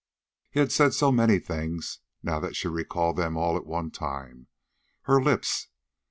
He had said so many things, now that she recalled them all at one time. Her lips!